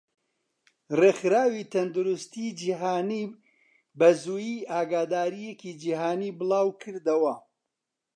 ڕێخراوی تەندروستی جیهانی بەزوویی ئاگاداریەکی جیهانی بڵاوکردەوە.